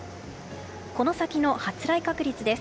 この先の発雷確率です。